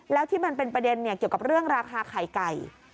แล้วที่มันเป็นประเด็นเกี่ยวกับเรื่องราคาไข่ไก่